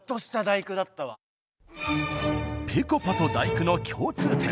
ぺこぱと「第９」の共通点。